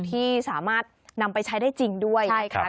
ที่สามารถนำไปใช้ได้จริงด้วยใช่ค่ะ